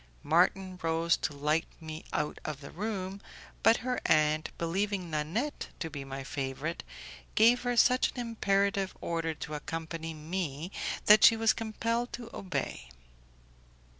Marton rose to light me out of the room, but her aunt, believing Nanette to be my favourite, gave her such an imperative order to accompany me that she was compelled to obey.